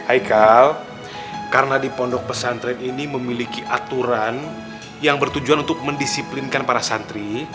ikal karena di pondok pesantren ini memiliki aturan yang bertujuan untuk mendisiplinkan para santri